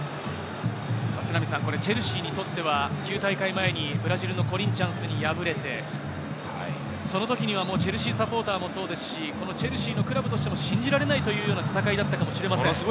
チェルシーにとっては９大会前にブラジルのコリンチャンスに敗れてその時にはチェルシーサポーターもそうですし、チェルシーのクラブとしても信じられないという戦いだったかもしれません。